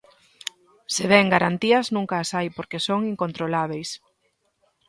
Se ben garantías nunca as hai porque son incontrolábeis.